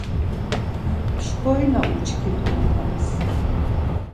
Mşkorina uçkit̆u motalis.